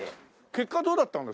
結果どうだったんですか？